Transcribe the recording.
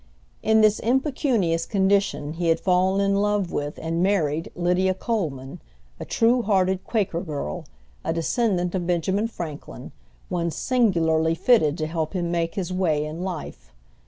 In this impecunious condition he had fallen in love with and married Lydia Coleman, a true hearted Quaker girl, a descendant of Benjamin Franklin, one singularly fitted to help him make his way in life.